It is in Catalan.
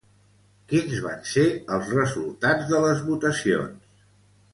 Quins van ser els resultats de les votacions?